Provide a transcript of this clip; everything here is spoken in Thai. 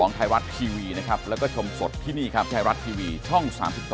มันมีสวิตช์ที่ไหน